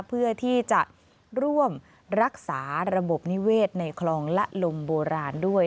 เพื่อที่จะร่วมรักษาระบบนิเวศในคลองละลมโบราณด้วย